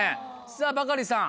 さぁバカリさん